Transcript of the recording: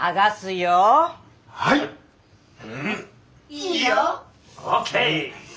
いいよ！ＯＫ！